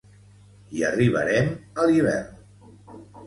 Hi arribarem a l'hivern.